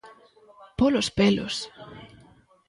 Polos pelos.